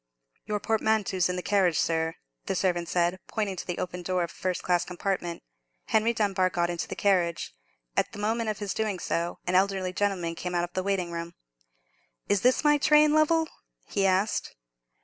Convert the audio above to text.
"Your portmanteau's in the carriage, sir," the servant said, pointing to the open door of a first class compartment. Henry Dunbar got into the carriage. At the moment of his doing so, an elderly gentleman came out of the waiting room. "Is this my train, Lovell?" he asked.